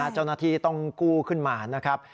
เจ้าหน้าที่ต้องกู้ขึ้นมานะครับ